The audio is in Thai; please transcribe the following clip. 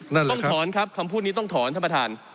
ต้องถอนครับคำพูดนี้ต้องถอนท่านประธาน